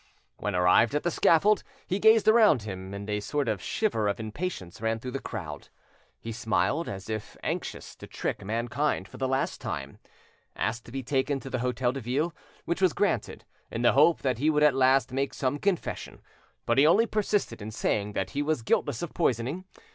When arrived at the scaffold, he gazed around him, and a sort of shiver of impatience ran through the crowd. He smiled, and as if anxious to trick mankind for the last time, asked to be taken to the Hotel de Ville, which was granted, in the hope that he would at last make some confession; but he only persisted in saying that he was guiltless of poisoning.